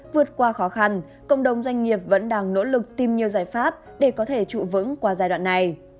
vượt qua khó khăn cộng đồng doanh nghiệp vẫn đang nỗ lực tìm nhiều giải pháp để có thể trụ vững qua giai đoạn này